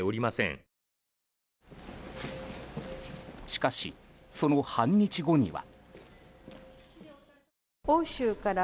しかし、その半日後には。